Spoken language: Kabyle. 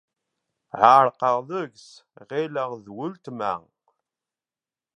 Ɛerqeɣ deg-s, ɣileɣ-tt d weltma.